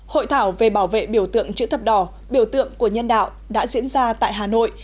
hội thảo về bảo vệ biểu tượng chữ thập đỏ biểu tượng của nhân đạo đã diễn ra tại hà nội